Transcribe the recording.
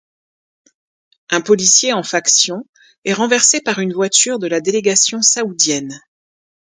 Un policier en faction est renversé par une voiture de la délégation saoudienne.